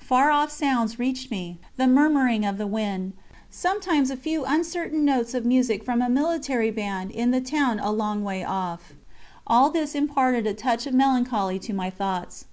Far off sounds reached me, the murmuring of the wind, sometimes a few uncertain notes of music from a military band in the town a long way off; all this imparted a touch of melancholy to my thoughts.